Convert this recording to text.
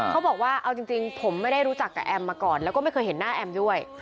เขาบอกว่าเอาจริงผมไม่ได้รู้จักกับแอมมาก่อนแล้วก็ไม่เคยเห็นหน้าแอมด้วย